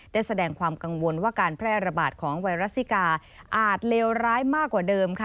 ได้แสดงความกังวลว่าการแพร่ระบาดของไวรัสซิกาอาจเลวร้ายมากกว่าเดิมค่ะ